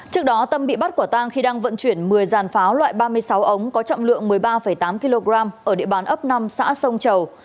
trước đó tâm bị bắt quả tang khi đang vận chuyển một mươi dàn pháo loại ba mươi sáu ống có trọng lượng một mươi ba tám kg ở địa bàn ấp năm xã sông chầu